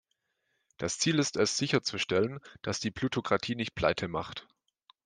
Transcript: Das Ziel ist es, sicherzustellen, dass die Plutokratie nicht Pleite macht.